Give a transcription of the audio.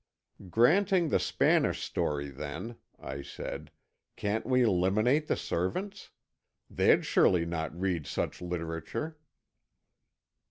"Granting the Spanish story, then," I said, "can't we eliminate the servants? They'd surely not read such literature."